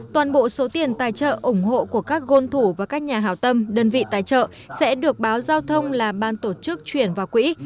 toàn bộ số tiền tài trợ ủng hộ của các gôn thủ và các nhà hảo tâm đơn vị tài trợ sẽ được báo giao thông là ban tổ chức chuyển vào quỹ